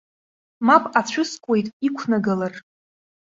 Мап ацәыскуеит, иқәнагалар.